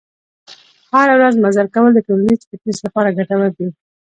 هره ورځ مزل کول د ټولیز فټنس لپاره ګټور دي.